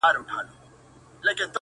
• پر اوږو د وارثانو جنازه به دي زنګیږي,